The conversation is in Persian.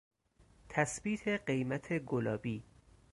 تثبیت قیمت گلابی